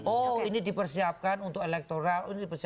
oh ini dipersiapkan untuk elektoral